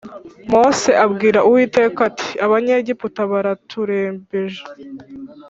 Mose abwira Uwiteka ati Abanyegiputa baraturembeje